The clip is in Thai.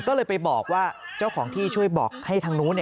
ก็เลยไปบอกว่าเจ้าของที่ช่วยบอกให้ทางนู้น